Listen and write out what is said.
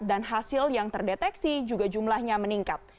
dan hasil yang terdeteksi juga jumlahnya meningkat